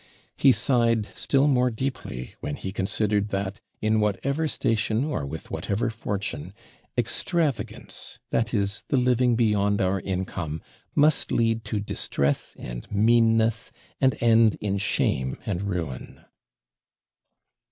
He sighed still more deeply, when he considered, that, in whatever station or with whatever fortune, extravagance, that is the living beyond our income, must lead to distress and meanness, and end in shame and ruin.